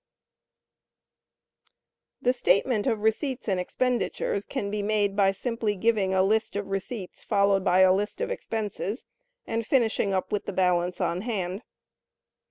S. The "Statement of receipts and expenditures" can be made, by simply giving a list of receipts, followed by a list of expenses, and finishing up with the balance on hand.